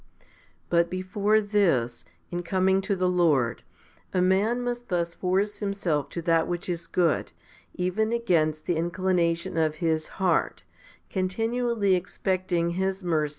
3. But before this, in coming to the Lord, a man must thus force himself to that which is good, even against the inclination of his heart, continually expecting His mercy 1 Matt xi.